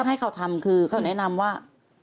ให้เขาทำคือเขาแนะนำว่า